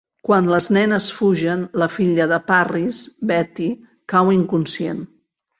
Quan les nenes fugen, la filla de Parris, Betty, cau inconscient.